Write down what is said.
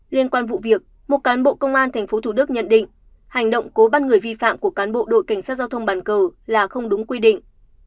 liên quan vụ việc một cán bộ công an tp thủ đức nhận định hành động cố bắt người vi phạm của cán bộ đội cảnh sát giao thông bản cầu là không đúng quy định